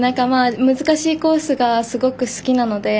難しいコースがすごく好きなので。